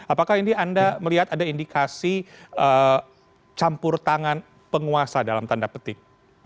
apakah ini anda melihat ada indikasi campur tangan penguasa dalam tanda petik